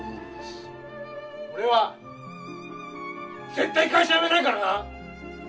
俺は絶対、会社辞めないからな。